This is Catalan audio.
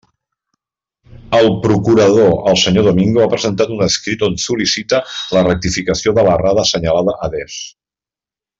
El procurador el senyor Domingo ha presentat un escrit on sol·licita la rectificació de l'errada assenyalada adés.